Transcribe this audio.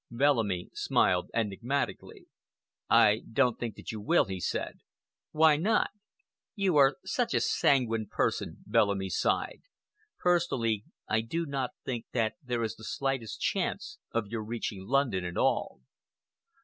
Bellamy smiled enigmatically. "I don't think that you will," he said. "Why not?" "You are such a sanguine person," Bellamy sighed. "Personally, I do not think that there is the slightest chance of your reaching London at all."